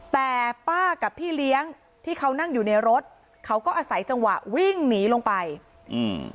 แต่ป้ากับพี่เลี้ยงที่เขานั่งอยู่ในรถเขาก็อาศัยจังหวะวิ่งหนีลงไปอืม